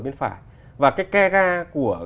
bên phải và cái ke ga của